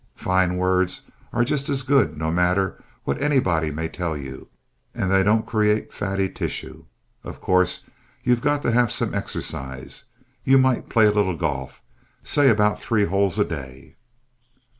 Fine words are just as good, no matter what anybody may tell you, and they don't create fatty tissue. Of course, you've got to have some exercise. You might play a little golf. Say, about three holes a day.